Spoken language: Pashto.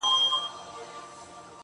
o زما اشنا خبري پټي ساتي.